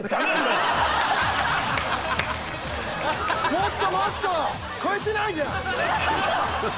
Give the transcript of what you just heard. もっともっと！超えてない。